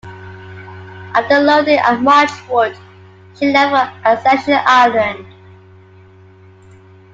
After loading at Marchwood, she left for Ascension Island.